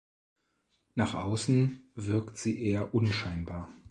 Nach außen wirkt sie eher unscheinbar.